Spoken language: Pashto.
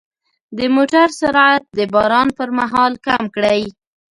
د موټر سرعت د باران پر مهال کم کړئ.